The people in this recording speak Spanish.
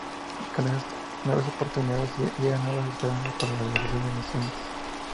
Y con esas nuevas oportunidades llegan nuevas esperanzas para la realización de nuestras metas.